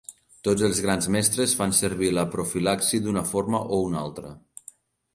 Tots els grans mestres fan servir la profilaxi d'una forma o una altra.